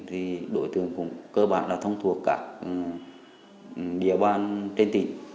thì đội thường cũng cơ bản là thông thuộc các địa bàn trên tỉnh